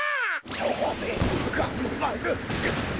蝶兵衛がんばる。